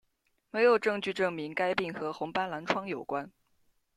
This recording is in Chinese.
没有证据证明该病和红斑狼疮有关。